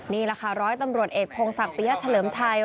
นี่แหละค่ะร้อยตำรวจเอกพงศักดิยเฉลิมชัย